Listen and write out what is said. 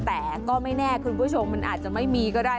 แต่ก็ไม่แน่คุณผู้ชมมันอาจจะไม่มีก็ได้